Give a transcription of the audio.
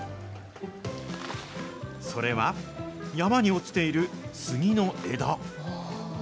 それは、山に落ちている杉の枝。